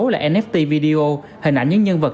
là nft video hình ảnh những nhân vật